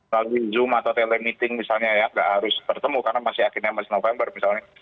lalu zoom atau telemeding misalnya ya nggak harus bertemu karena masih akhirnya masih november misalnya